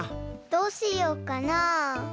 どうしようかな。